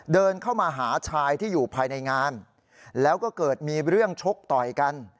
เดินเข้ามาหาชายที่อยู่ภายในงานแล้วก็เกิดมีเรื่องชกต่อยกัน